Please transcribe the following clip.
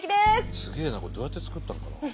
すげえなこれどうやって作ったんだろう？